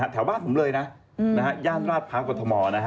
แถวบ้านผมเลยนะย่านราชภาพกฎม